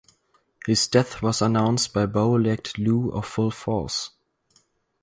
His death was announced by Bow Legged Lou of Full Force.